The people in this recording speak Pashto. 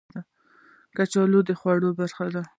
کچالو د خوړو برخه ده